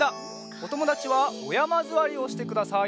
おともだちはおやまずわりをしてください。